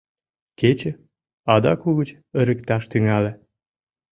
Кече адак угыч ырыкташ тӱҥале.